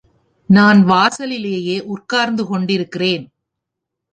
நான் வாசலிலேயே உட்கார்ந்து கொண்டு இருக்கிறேன்.